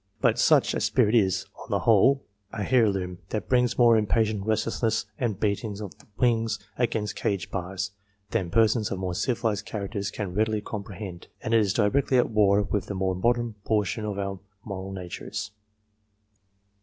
But such a spirit is, on the whole, an heirloom that brings more impatient restlessness and beating of the wings against cage bars, than persons of more civilized characters can readily comprehend, and it is directly at war with the more modern portion of our moral natures.